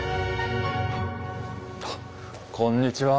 あっこんにちは。